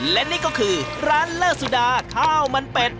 และนี่ก็คือร้านเลอร์สุดาข้าวมันเป็ด